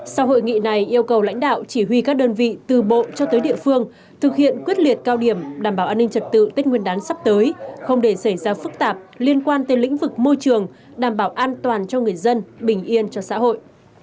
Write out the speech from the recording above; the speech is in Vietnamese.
sau hội nghị này yêu cầu lãnh đạo chỉ huy các đơn vị từ bộ cho tới địa phương thực hiện quyết liệt cao điểm đảm bảo an ninh trật tự tích nguyên đán sắp tới không để xảy ra phức tạp liên quan tới lĩnh vực môi trường đảm bảo an toàn cho người dân bình yên cho xã hội